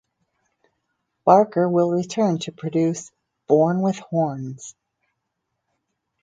Barker will return to produce "Born with Horns".